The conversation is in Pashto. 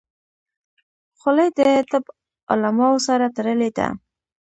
خولۍ د طب علماو سره تړلې ده.